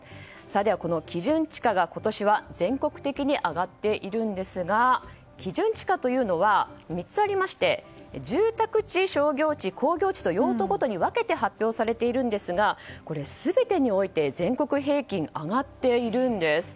この基準地価が今年は全国的に上がっているんですが基準地価は３つありまして住宅地、商業地、工業地と用途ごとに分けて発表されているんですが全てにおいて全国平均、上がっているんです。